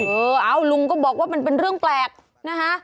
เออเอ้าลุงก็บอกว่ามันเป็นเรื่องแปลกนะคะ